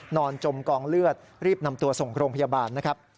นอนจมกองเลือดรีบนำตัวส่งโครงพยาบาล